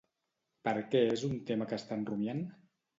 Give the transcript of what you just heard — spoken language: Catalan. Per què és un tema que estan rumiant?